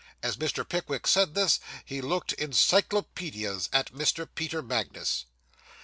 As Mr. Pickwick said this, he looked encyclopedias at Mr. Peter Magnus.